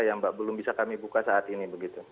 yang belum bisa kami buka saat ini